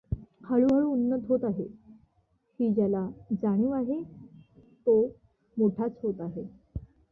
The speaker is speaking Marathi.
हळूहळू उन्नत होत आहे, ही ज्याला जाणीव आहे, तो मोठाच होत आहे.